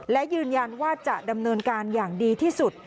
และยืนยันว่าจะดำเนินการอย่างดีที่สุด